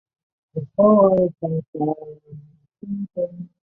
区燕青是一名香港女演员。